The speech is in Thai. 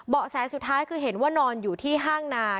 แสสุดท้ายคือเห็นว่านอนอยู่ที่ห้างนา